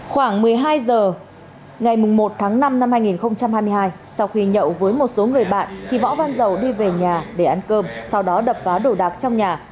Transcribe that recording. khoảng một mươi hai h ngày một tháng năm năm hai nghìn hai mươi hai sau khi nhậu với một số người bạn thì võ văn dầu đi về nhà để ăn cơm sau đó đập phá đồ đạc trong nhà